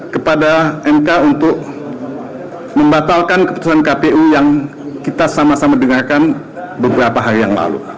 keputusan kpu yang kita sama sama dengarkan